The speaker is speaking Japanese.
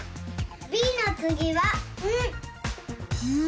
「び」のつぎは「ん」！